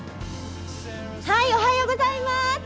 おはようございます。